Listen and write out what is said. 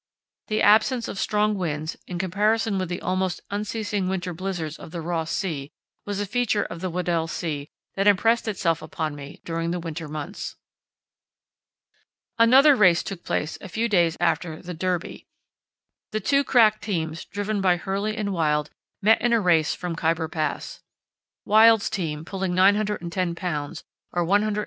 The absence of strong winds, in comparison with the almost unceasing winter blizzards of the Ross Sea, was a feature of the Weddell Sea that impressed itself upon me during the winter months. Another race took place a few days after the "Derby." The two crack teams, driven by Hurley and Wild, met in a race from Khyber Pass. Wild's team, pulling 910 lbs., or 130 lbs.